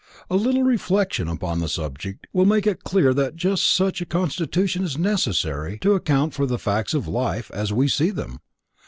A little reflection upon the subject will make clear that just such a constitution is necessary to account for facts of life as we see them.